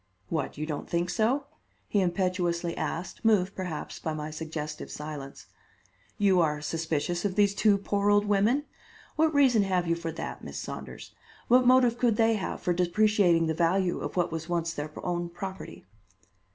What! you don't think so?" he impetuously asked, moved, perhaps, by my suggestive silence. "You are suspicious of these two poor old women? What reason have you for that, Miss Saunders? What motive could they have for depreciating the value of what was once their own property?"